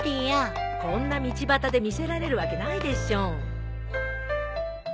こんな道端で見せられるわけないでしょう。